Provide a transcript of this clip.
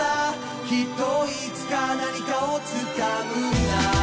「きっといつか何かを掴むんだ」